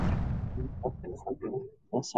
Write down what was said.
Brook later changed her stage name to Skylar Grey.